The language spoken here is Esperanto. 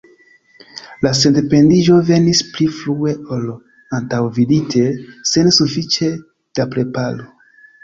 La sendependiĝo venis pli frue ol antaŭvidite, sen sufiĉe da preparo.